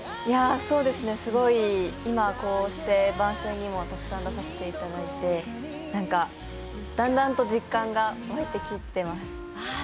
すごい今こうして番宣にもたくさん出させていただいて、だんだんと実感が湧いてきています。